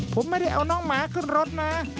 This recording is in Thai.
ผมไม่ได้เอาน้องหมาขึ้นรถนะ